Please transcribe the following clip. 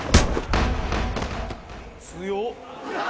強っ！